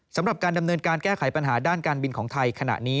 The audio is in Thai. สำหรับการดำเนินการแก้ไขปัญหาด้านการบินของไทยขณะนี้